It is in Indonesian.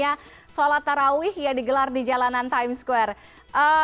yang dikejar oleh tata rawih yang digelar di jalanan times square